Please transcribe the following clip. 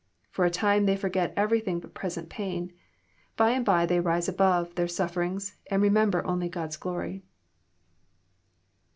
For a time they forget every thing but present pain. By and by they rise above their soffer ings, and remember only God's glory.